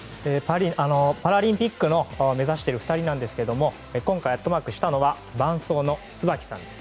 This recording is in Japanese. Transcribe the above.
パラリンピックを目指している２人なんですが今回、アットマークしたのは伴走の椿さんです。